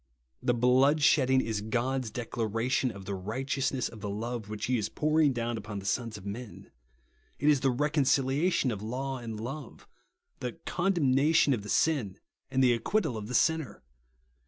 The bloodshedding is God's declaration of the righteousness of the love which he is pouring down upon the sons of men ; it is the reconciliation of law and love ; the condemnation of the sin and the acquittal of the sinner.